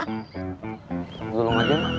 gulung aja emak